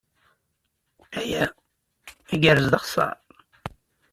Aya igerrez d axeṣṣar.